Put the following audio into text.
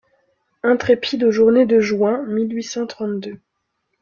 intrépide aux journées de juin mille huit cent trente-deux.